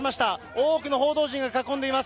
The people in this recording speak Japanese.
多くの報道陣が囲んでいます。